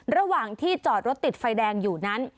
ระหว่างที่จอดรถติดไฟแดงอยู่นั้น